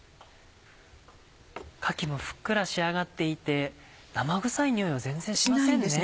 かきもふっくら仕上がっていて生臭いにおいは全然しませんね。